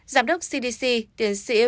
giám đốc cdc tiến sĩ